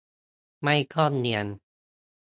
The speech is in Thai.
ไม่ต้องเนียน